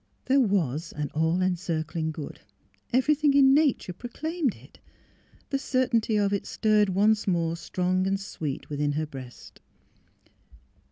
There was an All Encircling Good. Everything in nature proclaimed it. The certainty of it stirred once more strong and sweet within her breast.